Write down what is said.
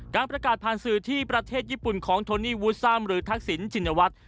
การประกาศผ่านสื่อที่ประเทศญี่ปุ่นของโทนี่วูซัมหรือทักษิณชินวัฒน์